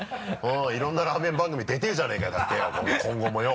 いろんなラーメン番組出たいじゃねぇかよだってよ